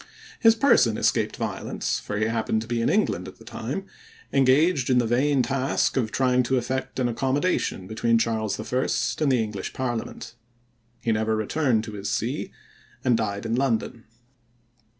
His person escaped violence, for he happened to be in England at the time engaged in the vain task of trying to effect an accommodation between Charles I. and the English parliament. He never returned to his see and died in London.